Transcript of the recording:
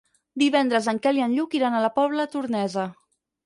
Divendres en Quel i en Lluc iran a la Pobla Tornesa.